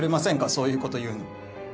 そういうこと言うの